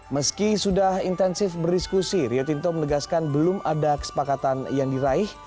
meski sudah intensif berdiskusi rio tinto menegaskan belum ada kesepakatan yang diraih